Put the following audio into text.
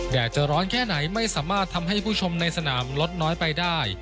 จะร้อนแค่ไหนไม่สามารถทำให้ผู้ชมในสนามลดน้อยไปได้